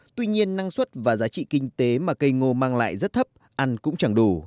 tuy nhiên năng suất và giá trị kinh tế mà cây ngô mang lại rất thấp ăn cũng chẳng đủ